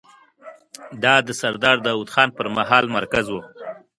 دا د سردار داوود خان پر مهال مرکز و.